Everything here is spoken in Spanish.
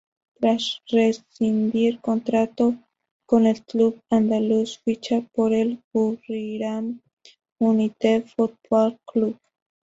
Tras rescindir contrato con el club andaluz, ficha por el Buriram United Football Club.